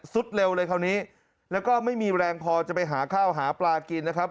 เร็วเลยคราวนี้แล้วก็ไม่มีแรงพอจะไปหาข้าวหาปลากินนะครับ